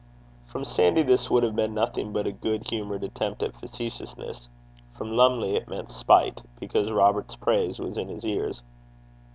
From Sandy this would have been nothing but a good humoured attempt at facetiousness. From Lumley it meant spite, because Robert's praise was in his ears.